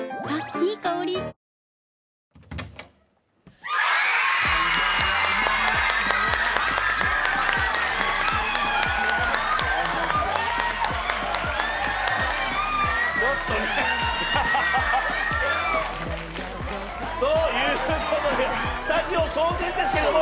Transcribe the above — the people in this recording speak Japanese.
いい香り。ということでスタジオ騒然ですけども。